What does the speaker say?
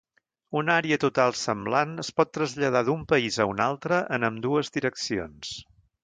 Una àrea total semblant es pot traslladar d'un país a un altre en ambdues direccions.